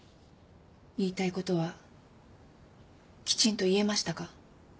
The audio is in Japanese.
言いたいことはきちんと言えましたか？